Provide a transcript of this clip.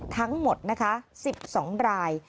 ทั้งหมด๑๒ราย